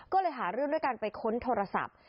ก็เลยหาเรื่องด้วยการไปค้นโทรศัพท์